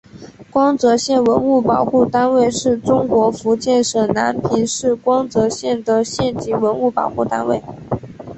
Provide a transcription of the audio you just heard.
光泽县文物保护单位是中国福建省南平市光泽县的县级文物保护单位。